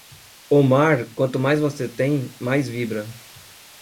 O mar, quanto mais você tem, mais vibra.